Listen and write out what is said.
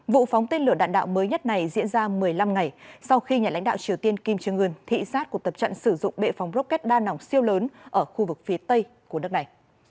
vụ phóng tên lửa đạn đạo mới nhất này diễn ra một mươi năm ngày sau khi nhà lãnh đạo triều tiên kim jong un thị xát cuộc tập trận sử dụng bệ phóng rocket đa nòng siêu lớn ở khu vực phía tây của nước này